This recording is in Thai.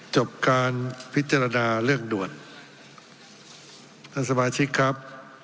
จบการพิจารณาเรื่องด่วนท่านสมาชิกครับ